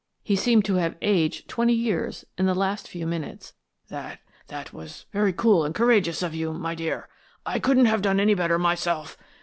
He seemed to have aged twenty years in the last few minutes. "That that was very cool and courageous of you, my dear. I couldn't have done any better myself.